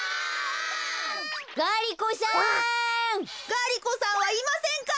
ガリ子さんはいませんか？